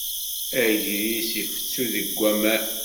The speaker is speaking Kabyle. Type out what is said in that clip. Agris ifessu deg waman.